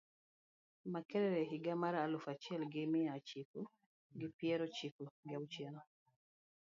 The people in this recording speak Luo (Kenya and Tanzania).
Makerere higa mar aluf achiel gi miya chiko gi piero chiko gi auchiel